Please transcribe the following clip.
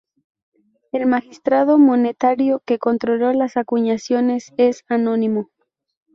El magistrado monetario que controló las acuñaciones es anónimo.